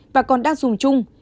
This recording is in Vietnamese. và còn đang dùng chung